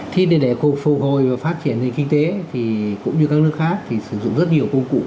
thì để phục hồi và phát triển kinh tế thì cũng như các nước khác thì sử dụng rất nhiều công cụ